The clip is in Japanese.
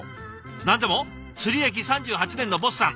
何でも釣り歴３８年のｂｏｓｓさん。